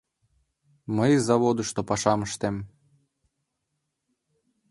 — Мый заводышто пашам ыштем.